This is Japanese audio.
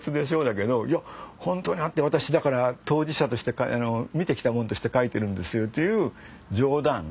だけどいや本当にあって私だから当事者として見てきた者として書いているんですよという冗談フェイク